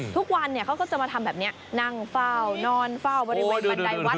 ทุกวันเขาก็จะมาทำแบบนี้นั่งเฝ้านอนเฝ้าบริเวณบันไดวัด